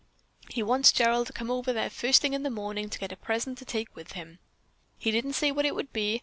He wants Gerald to come over there first thing in the morning to get a present to take with him. "He didn't say what it would be.